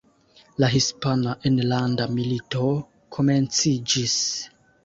La Hispana Enlanda Milito komenciĝis.